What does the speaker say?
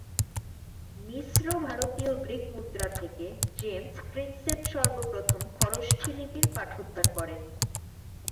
মিশ্র ভারতীয়-গ্রীক মুদ্রা থেকে James Prinsep সর্বপ্রথম খরোষ্ঠী লিপির পাঠোদ্ধার করেন।